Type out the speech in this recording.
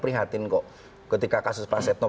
prihatin kok ketika kasus pak setno